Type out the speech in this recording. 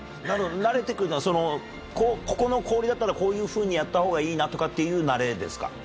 慣れてくるのは、ここの氷だったら、こういうふうにやったほうがいいなとかっていう慣れですか？